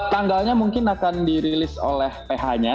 tanggalnya mungkin akan dirilis oleh ph nya